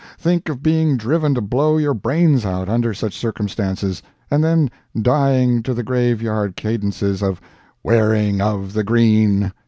Think of being driven to blow your brains out under such circumstances, and then dying to the grave yard cadences of "Wearing of the Green!"